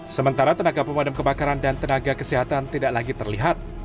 sementara tenaga pemadam kebakaran dan tenaga kesehatan tidak lagi terlihat